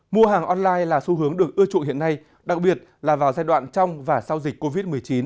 mua hàng online là xu hướng được ưa chuộng hiện nay đặc biệt là vào giai đoạn trong và sau dịch covid một mươi chín